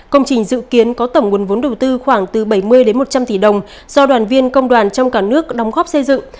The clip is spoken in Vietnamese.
công trình dự kiến có tổng nguồn vốn đầu tư khoảng từ bảy mươi một trăm linh tỷ đồng do đoàn viên công đoàn trong cả nước đóng góp xây dựng